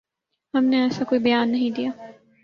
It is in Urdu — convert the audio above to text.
ہم نے ایسا کوئی بیان نہیں دیا